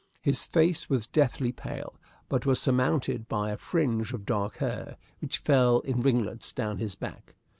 His face was deathly pale, but was surmounted by a fringe of dark hair which fell in ringlets down his back.